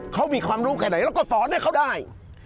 เขามีความรู้แค่ไหนแล้วก็สอนให้เขาได้